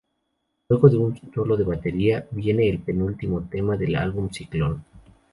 Luego de un solo de batería viene el penúltimo tema del álbum, "Ciclón".